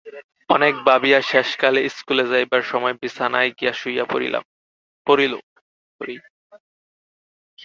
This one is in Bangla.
অনেক ভাবিয়া, শেষকালে স্কুলে যাইবার সময় বিছানায় গিয়া শুইয়া পড়িল।